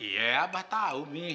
iya ya mbah tau